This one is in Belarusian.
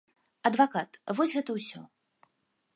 Адвакат, вось гэта ўсё.